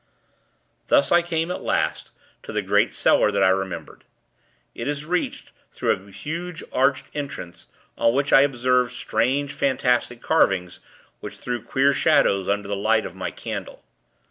Thus, I came, at last, to the great cellar that I remembered. It is reached, through a huge, arched entrance, on which I observed strange, fantastic carvings, which threw queer shadows under the light of my candle.